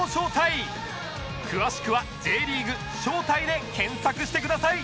詳しくは「Ｊ リーグ招待」で検索してください